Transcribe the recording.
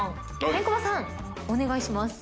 お願いします。